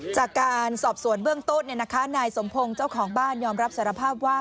จากการสอบสวนเบื้องต้นนายสมพงศ์เจ้าของบ้านยอมรับสารภาพว่า